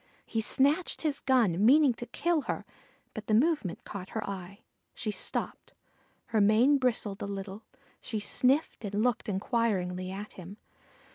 He snatched his gun, meaning to kill her, but the movement caught her eye. She stopped. Her mane bristled a little; she sniffed and looked inquiringly at him.